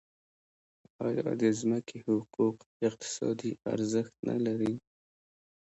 آیا د ځمکې حقوق اقتصادي ارزښت نلري؟